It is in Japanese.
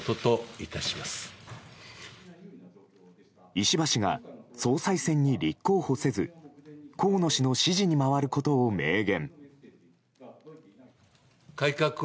石破氏が、総裁選に立候補せず河野氏の支持に回ることを明言。